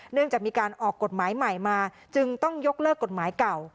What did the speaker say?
เนื่องจากมีการออกกฎหมายใหม่มาจึงต้องยกเลิกกฎหมายเก่า